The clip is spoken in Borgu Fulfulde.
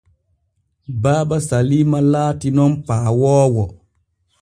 Baaba Saliima laati nun paawoowo.